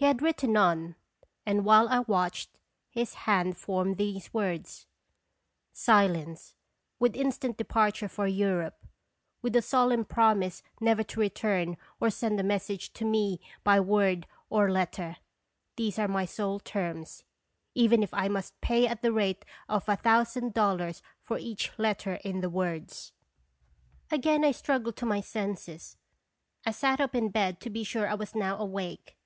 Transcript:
He had written on, and while I watched, his hand formed these words :" Silence, with instant departure for Europe, with a solemn promise never to return or send a message to me by word or letter. These are my sole terms, even if I must pay at the rate of a thousand dollars for each letter in the words." 252 "(El)* Bttorib Carfc Again I struggled to my senses ; I sat up in bed to be sure I was now awake.